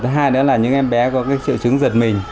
hai nữa là những em bé có triệu chứng giật mình